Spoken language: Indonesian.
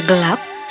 dan mencari kembali